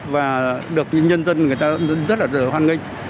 và được nhân dân rất hoan nghịch